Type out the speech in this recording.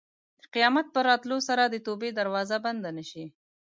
د قیامت په راتلو سره د توبې دروازه بنده نه شي.